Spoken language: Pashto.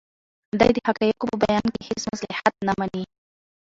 دی د حقایقو په بیان کې هیڅ مصلحت نه مني.